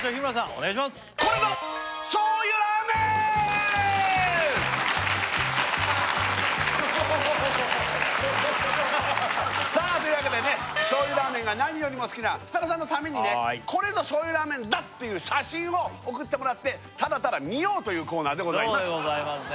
お願いしますさあというわけでね醤油ラーメンが何よりも好きな設楽さんのためにねこれぞ醤油ラーメンだっていう写真を送ってもらってただただ見ようというコーナーでございますそうでございますね